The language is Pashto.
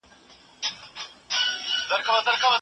کله به حکومت تابعیت په رسمي ډول وڅیړي؟